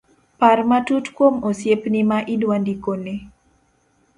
par matut kuom osiepni ma idwa ndikone